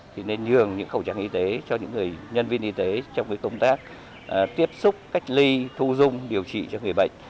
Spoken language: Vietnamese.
thì nên nhường những khẩu trang y tế cho những nhân viên y tế trong công tác tiếp xúc cách ly thu dung điều trị cho người bệnh